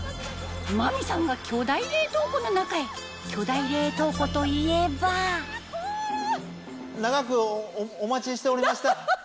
真美さんが巨大冷凍庫の中へ巨大冷凍庫といえば長くお待ちしておりました。